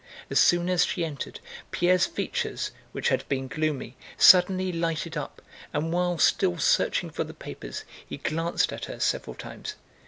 As soon as she entered, Pierre's features, which had been gloomy, suddenly lighted up, and while still searching for the papers he glanced at her several times.